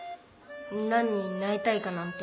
何になりたいかなんて。